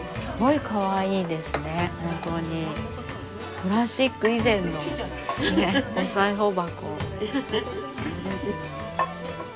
プラスチック以前のお裁縫箱。